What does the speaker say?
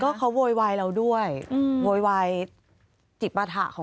ก็เขาโวยวายเราด้วยโวยวายจิตปฐะเขา